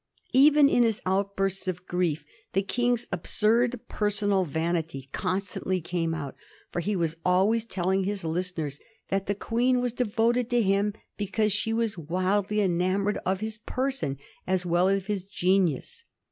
Even in his outbursts of grief the King's absurd per sonal vanity constantly came out; for he was always tell ing his listeners that the Queen was devoted to him be cause she was wildly enamoured of his person as well as his genius.